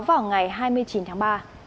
vào ngày hai mươi chín tháng ba